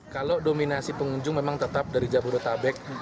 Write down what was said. kalau dominasi pengunjung memang tetap dari jabodetabek